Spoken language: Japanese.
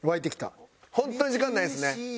本当に時間ないですね。